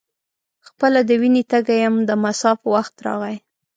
خپله د وینې تږی یم د مصاف وخت راغی.